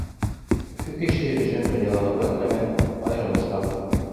Өфө кешеһе өсөн донъялаға бар нәмә — айырым осраҡ.